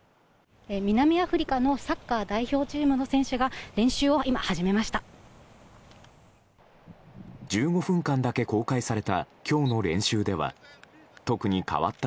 南アフリカのサッカー代表チームの選手が練習を今、始めました。